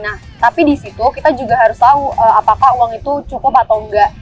nah tapi di situ kita juga harus tahu apakah uang itu cukup atau enggak